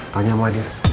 kau nyampe aja